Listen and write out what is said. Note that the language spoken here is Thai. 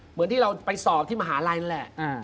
เหมือนที่เราไปสอบที่มหาลัยนั่นแหละ